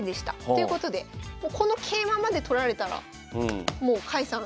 ということでこの桂馬まで取られたらもう甲斐さん